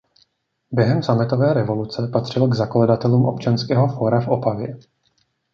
Během sametové revoluce patřil k zakladatelům Občanského fóra v Opavě.